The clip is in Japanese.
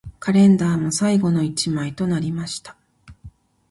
カレンダーも最後の一枚となりました